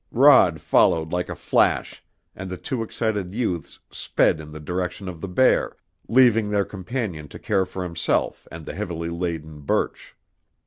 Rod followed like a flash, and the two excited youths sped in the direction of the bear, leaving their companion to care for himself and the heavily laden birch.